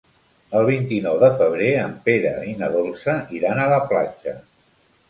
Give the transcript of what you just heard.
El vint-i-nou de febrer en Pere i na Dolça iran a la platja.